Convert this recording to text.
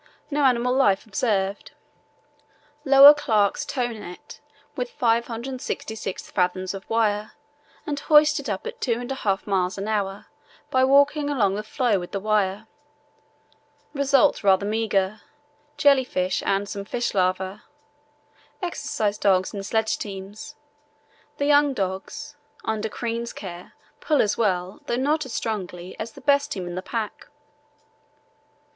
No animal life observed. Lower Clark's tow net with 566 fathoms of wire, and hoist it up at two and a half miles an hour by walking across the floe with the wire. Result rather meagre—jelly fish and some fish larvæ. Exercise dogs in sledge teams. The young dogs, under Crean's care, pull as well, though not so strongly, as the best team in the pack.